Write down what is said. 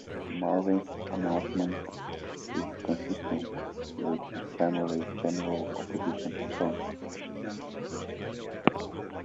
Marvin's announcement is consistent with his family's general opposition to Trump.